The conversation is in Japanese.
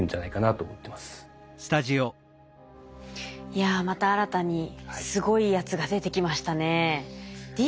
いやまた新たにすごいやつが出てきましたね。